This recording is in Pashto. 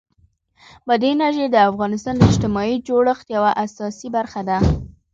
بادي انرژي د افغانستان د اجتماعي جوړښت یوه اساسي برخه ده.